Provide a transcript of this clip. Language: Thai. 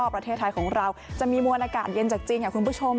ประเทศไทยของเราจะมีมวลอากาศเย็นจากจริงคุณผู้ชม